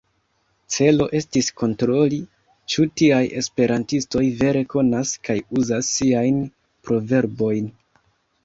Celo estis kontroli, ĉu tiaj esperantistoj vere konas kaj uzas siajn proverbojn.